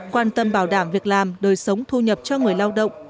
quan tâm bảo đảm việc làm đời sống thu nhập cho người lao động